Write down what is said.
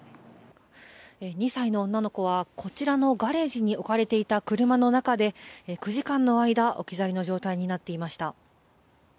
２歳の女の子は、こちらのガレージに置かれていた車の中で９時間の間、置き去りの状態になっていました。